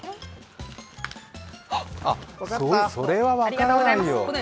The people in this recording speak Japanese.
あっ、それは分からないよ。